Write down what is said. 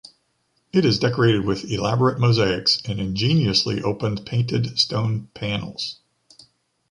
It is decorated with elaborate mosaics and ingeniously opened painted stone panels.